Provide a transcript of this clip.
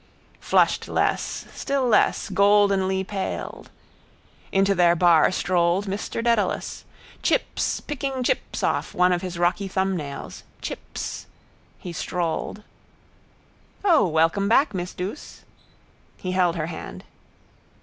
Flushed less, still less, goldenly paled. Into their bar strolled Mr Dedalus. Chips, picking chips off one of his rocky thumbnails. Chips. He strolled. —O, welcome back, miss Douce. He held her hand.